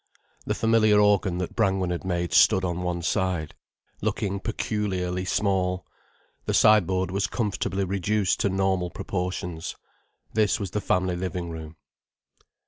The familiar organ that Brangwen had made stood on one side, looking peculiarly small, the sideboard was comfortably reduced to normal proportions. This was the family living room.